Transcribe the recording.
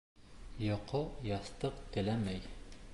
Йоҡо яҫтыҡ теләмәй.